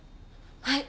はい。